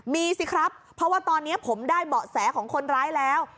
มีสิครับเพราะว่าตอนนี้ผมได้เบาะแสของคนร้ายแล้ว